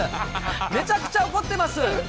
めちゃくちゃ怒ってます。